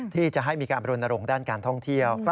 ที่จะให้มีการบรณรงค์ด้านการท่องเที่ยว